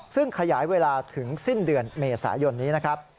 ซึ่งขยายเวลาถึงสิ้นเดือนเมษายนนี้นะครับ